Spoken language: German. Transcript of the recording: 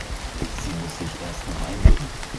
Sie muss sich erst noch einleben.